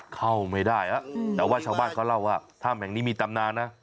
เข้าไม่ได้แล้วแต่ว่าชาวบ้านเขาเล่าว่าถ้ำแห่งนี้มีตำนานนะ